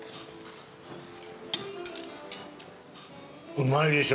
うまいでしょ？